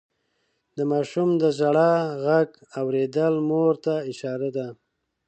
د ماشوم د ژړا غږ اورېدل مور ته اشاره ده.